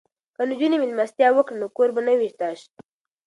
که نجونې میلمستیا وکړي نو کور به نه وي تش.